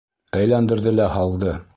Әйләндерҙе лә һалды.